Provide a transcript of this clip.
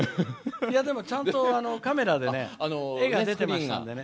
ちゃんとカメラで手が出てましたんでね。